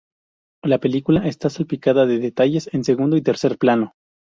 La película está salpicada de detalles en segundo y tercer plano.